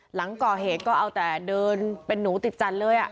หลังก่อเหตุก็เอาแต่เดินเป็นหนูติดจันทร์เลย